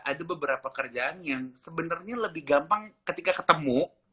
ada beberapa kerjaan yang sebenarnya lebih gampang ketika ketemu